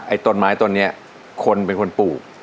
ไอ้ตรนไม้ตรงนี้คนเป็นคนปู้